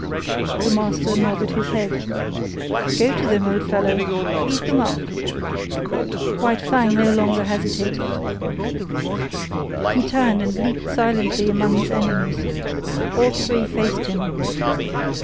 The master nodded his head. "Go to them, old fellow. Eat them up." White Fang no longer hesitated. He turned and leaped silently among his enemies. All three faced him.